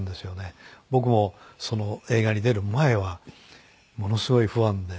僕もその映画に出る前はものすごいファンで。